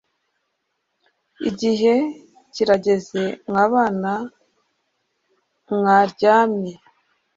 Igihe kirageze mwa bana mwaryamye